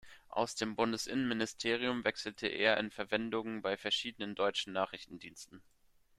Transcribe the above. Aus dem Bundesinnenministerium wechselte er in Verwendungen bei verschiedenen deutschen Nachrichtendiensten.